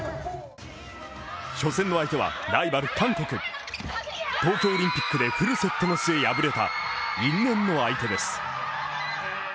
初戦の相手はライバル韓国東京オリンピックでフルセットの末敗れた因縁の相手です。